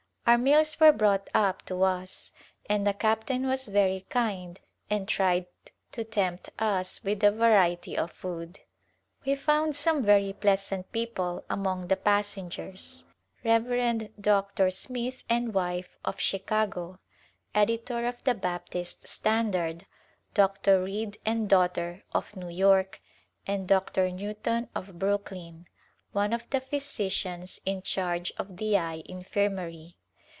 Our meals were brought up to Outward Journey us, and the captain was very kind and tried to tempt us with a variety of food. We found some very pleasant people among the passengers, Rev. Dr. Smith and wife of Chicago, editor of the Baptist Standard] Dr. Reid and daughter of New York and Dr. Newton of Brooklyn, one of the physicians in charge of the Eye Infirmary.